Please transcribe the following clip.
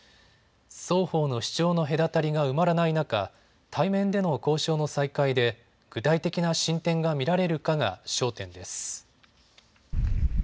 双方の主張の隔たりが埋まらない中、対面での交渉の再開で具体的な進展が見られるかが焦点です。